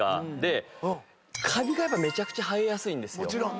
カビがめちゃくちゃ生えやすいんですよ。